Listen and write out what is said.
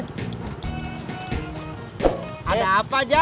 selamat tidak puasa